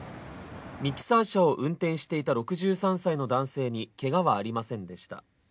ミキサー車を運転していた６３歳の男性にけがはありませんでした。